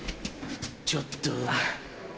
ちょっと。